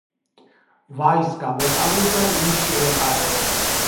ვაის გავეყარე და უის შევეყარეო